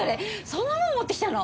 そんなもの持ってきたの？